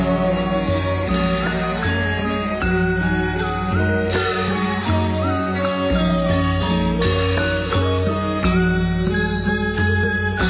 ทรงเป็นน้ำของเรา